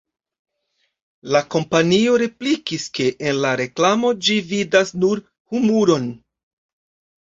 La kompanio replikis, ke en la reklamo ĝi vidas nur humuron.